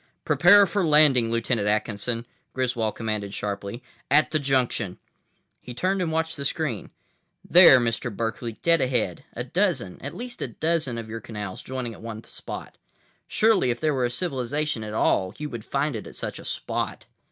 "Prepare for landing, Lieutenant Atkinson," Griswold commanded sharply. "At the junction." He turned and watched the screen. "There, Mr. Berkeley, dead ahead. A dozen—at least a dozen of your canals joining at one spot. Surely, if there were a civilization at all, you would find it at such a spot."